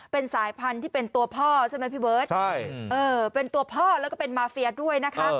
เป็นสายพันธุ์ที่เป็นตัวพ่อใช่ไหมพี่เบิร์ตเป็นตัวพ่อแล้วก็เป็นมาเฟียด้วยนะคะ